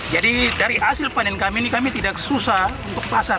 jadi dari hasil panen kami ini kami tidak susah untuk pasar